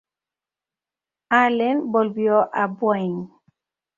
Allen volvió a Boeing.